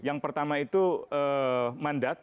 yang pertama itu mandat